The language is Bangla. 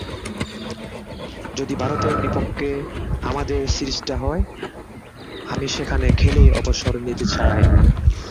যদি ভারতের বিপক্ষে আমাদের সিরিজটা হয়, আমি সেখানে খেলেই অবসর নিতে চাই।